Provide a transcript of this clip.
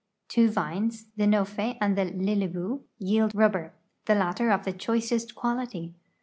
Two vines, the " note" and the " lilibue," yield rubber, the latter of the choicest (piality.